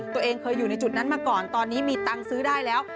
ตัวเองเคยอยู่ในจุดนั้นมาก่อนตอนนี้มีตังค์ซื้อได้แล้ว